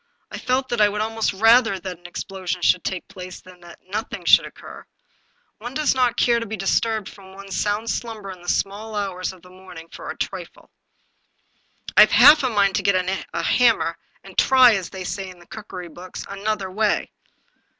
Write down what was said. I felt that I would almost rather that an explosion should take place than that nothing should occur. One does not care to be disturbed from one's sound slumber in the small hours of the morning for a trifle. 249 English Mystery Stories " Fve half a mind to get a hammer, and try, as they say in the cookery books, another way."